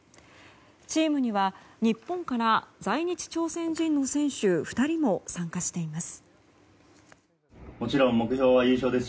チームには日本から在日朝鮮人の選手２人も参加しています。